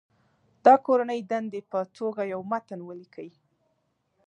د کورنۍ دندې په توګه یو متن ولیکئ.